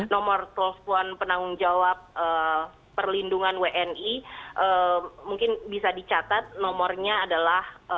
nomor telepon penanggung jawab perlindungan wni mungkin bisa dicatat nomornya adalah